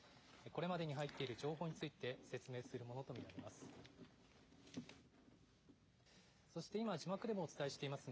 これまでに入っている情報について説明するものと見られます。